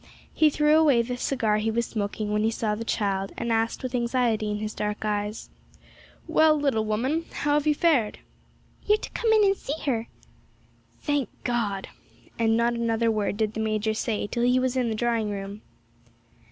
He threw away the cigar he was smoking when he saw the child, and asked, with anxiety in his dark eyes, 'Well, little woman, how have you fared?' 'You're to come in and see her.' 'Thank God!' and not another word did the major say till he was in the drawing room.